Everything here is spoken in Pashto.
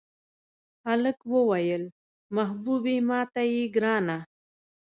هلک ووې محبوبې ماته یې ګرانه.